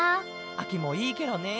あきもいいケロね！